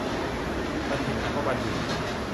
บัณฑิต อ่านว่าบันดิด